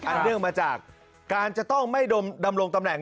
เนื่องมาจากการจะต้องไม่ดำรงตำแหน่ง